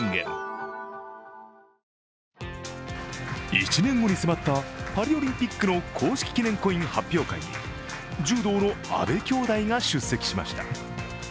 １年後に迫ったパリオリンピックの公式記念コイン発表会に柔道の阿部きょうだいが出席しました。